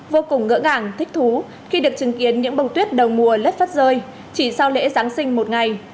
vô cùng ngỡ ngàng thích thú khi được chứng kiến những bông tuyết đầu mùa lất vất rơi chỉ sau lễ giáng sinh một ngày